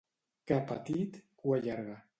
Ca petit, cua llarga.